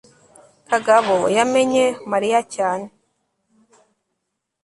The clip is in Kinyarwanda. kagabo yamenye mariya cyane